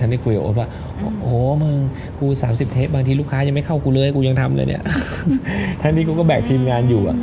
นี่คุยกับโอ๊ตว่าโอ้โหมึงกู๓๐เทปบางทีลูกค้ายังไม่เข้ากูเลยกูยังทำเลยเนี่ยทั้งนี้กูก็แบกทีมงานอยู่อ่ะ